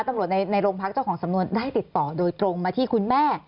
ตำรวจในโรงพักเจ้าของสำนวนได้ติดต่อโดยตรงมาที่คุณแม่